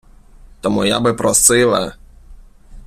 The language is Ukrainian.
Тому я би просила...